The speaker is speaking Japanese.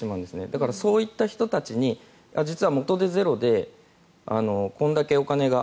だからそういった人たちに実は元手ゼロでこれだけお金が